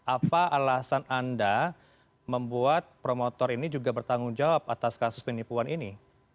apa alasan anda membuat promotor ini juga bertanggung jawab atas kasus penipuan ini